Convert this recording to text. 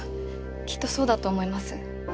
きっとそうだと思います。